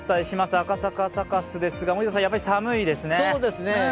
赤坂サカスですが、やっぱり寒いですね。